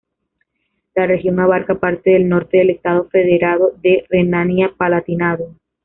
La región abarca parte del norte del estado federado de Renania-Palatinado.